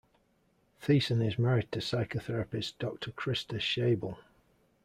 Theissen is married to psychotherapist Doctor Christa Schaible.